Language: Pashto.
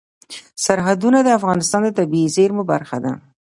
سرحدونه د افغانستان د طبیعي زیرمو برخه ده.